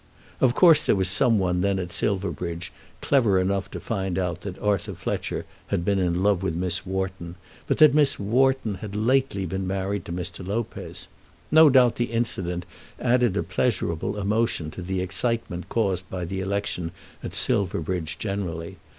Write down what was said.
Of course there was some one then at Silverbridge clever enough to find out that Arthur Fletcher had been in love with Miss Wharton, but that Miss Wharton had lately been married to Mr. Lopez. No doubt the incident added a pleasurable emotion to the excitement caused by the election at Silverbridge generally.